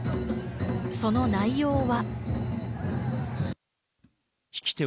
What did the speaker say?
その内容は。